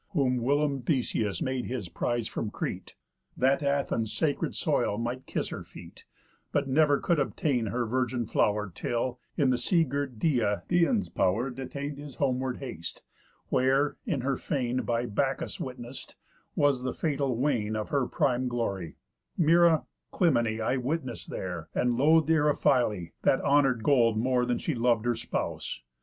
Whom whilome Theseus made his prise from Crete, That Athens' sacred soil might kiss her feet, But never could obtain her virgin flow'r, Till, in the sea girt Dia, Dian's pow'r Detain'd his homeward haste, where (in her fane, By Bacchus witness'd) was the fatal wane Of her prime glory, Mæra, Clymene, I witness'd there; and loath'd Eriphyle, That honour'd gold more than she lov'd her spouse.